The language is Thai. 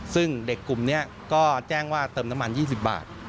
ซึ่งเด็กกลุ่มนี้ก็แจ้งว่าเติมน้ำมัน๒๐บาท